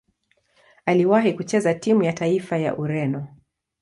Aliwahi kucheza timu ya taifa ya Ureno.